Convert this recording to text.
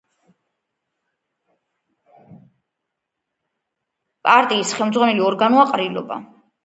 პარტიის ხელმძღვანელი ორგანოა ყრილობა.